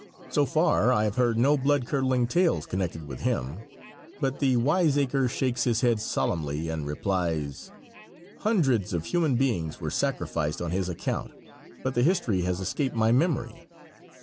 So far I have heard no blood curdling tales connected with him, but the wiseacre shakes his head solemnly and replies: "Hundreds of human beings were sacrificed on his account, but the history has escaped my memory."